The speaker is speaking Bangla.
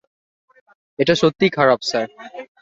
এটা সত্যিই খারাপ, স্যার।